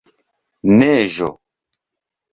neĝo